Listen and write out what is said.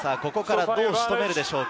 ここからどう仕留めるでしょうか？